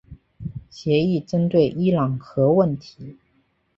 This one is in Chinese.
协议针对伊朗核问题。